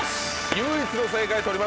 唯一の正解取りました。